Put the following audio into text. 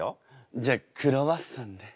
じゃあクロワッサンで。